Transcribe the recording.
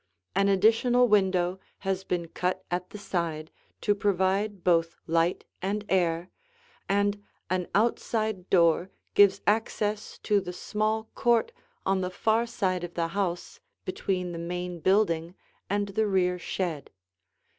An additional window has been cut at the side to provide both light and air, and an outside door gives access to the small court on the far side of the house between the main building and the rear shed.